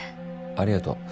ありがとう。